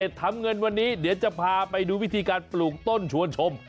ทำเงินวันนี้เดี๋ยวจะพาไปดูวิธีการปลูกต้นชวนชม